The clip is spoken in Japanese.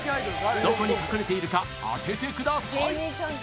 どこに隠れているか当ててください